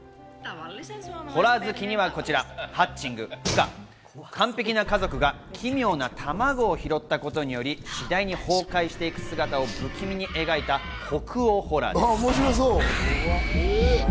そしてホラー好きにはこちら『ハッチング−孵化−』。完璧な家族が奇妙な卵を拾ったことにより次第に崩壊していく姿を不気味に描いた北欧ホラーです。